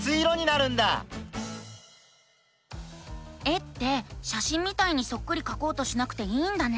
絵ってしゃしんみたいにそっくりかこうとしなくていいんだね。